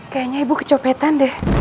kayaknya ibu kecopetan deh